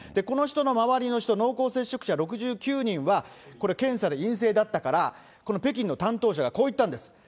この人の周りの人、濃厚接触者６９人は、これ、検査で陰性だったから、この北京の担当者が、こう言ったんです。